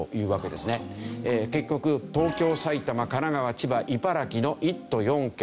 結局東京埼玉神奈川千葉茨城の１都４県。